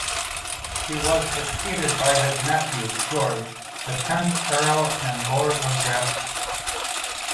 He was succeeded by his nephew, George, the tenth Earl and Lord of Grafton.